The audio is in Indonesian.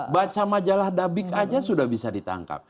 baca majalah dabik aja sudah bisa ditangkap